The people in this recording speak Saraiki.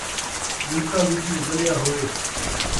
لن٘کا وچوں ولیا ہوئے